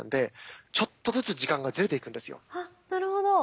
あっなるほど。